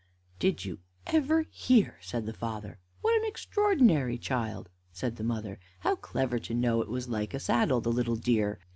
"Did you ever hear?" said the father. "What an extraordinary child!" said the mother. "How clever to know it was like a saddle, the little dear!